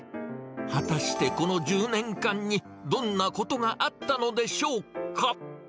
果たしてこの１０年間にどんなことがあったのでしょうか。